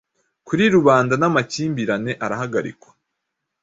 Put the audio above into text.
Kuri rubanda namakimbirane arahagarikwa